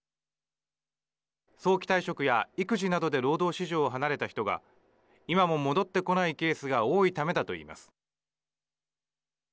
早期退職や育児などで労働市場を離れた人が今も戻ってこないケースが多いためだといいます。